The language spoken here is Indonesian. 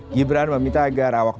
gibran meminta agar awak